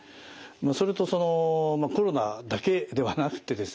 それとそのコロナだけではなくてですね